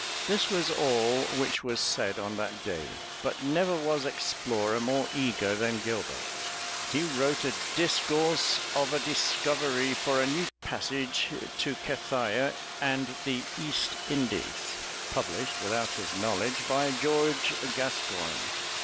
This was all which was said on that day, but never was explorer more eager than Gilbert. He wrote a "Discourse of a Discoverie for a New Passage to Cathaia and the East Indies" published without his knowledge by George Gascoigne.